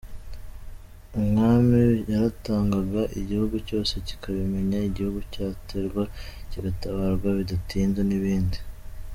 Umwami yaratangaga igihugu cyose kikabimenya, igihugu cyaterwa kigatabarwa bidatinze, n’ibindi.